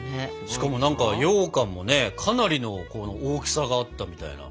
しかもようかんもねかなりの大きさがあったみたいな。